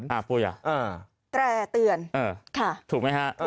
แตรร์เตือนถูกไหมฮะ